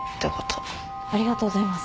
ありがとうございます。